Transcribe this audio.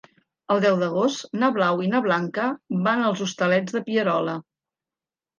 El deu d'agost na Blau i na Blanca van als Hostalets de Pierola.